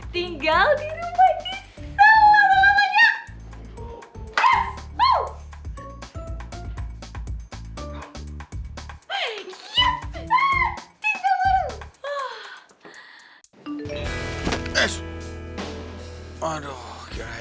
tinggal di rumah di selawang lamanya